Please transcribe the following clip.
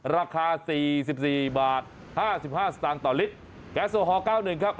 ราคาสี่สิบสี่บาทห้าสิบห้าสตางค์ต่อลิตรแก๊สโซฮอร์เก้าหนึ่งครับ